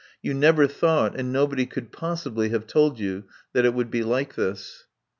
You never thought, and nobody could possibly have told you, that it would be like this.